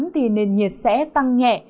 thì nền nhiệt sẽ tăng nhẹ